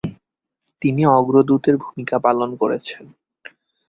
তিনি অগ্রদূতের ভূমিকা পালন করেছেন।